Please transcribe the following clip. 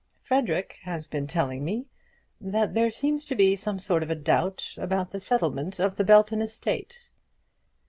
Frederic has been telling me that there seems to be some sort of a doubt about the settlement of the Belton estate."